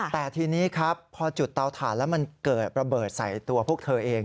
แต่ทีนี้ครับพอจุดเตาถ่านแล้วมันเกิดระเบิดใส่ตัวพวกเธอเอง